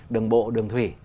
đường bộ đường thủy